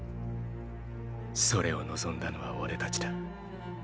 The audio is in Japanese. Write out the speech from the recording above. それを望んだのは俺たちだ。